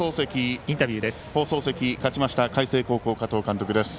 放送席、勝ちました海星高校の加藤監督です。